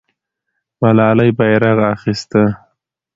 ملالۍ بیرغ اخیسته.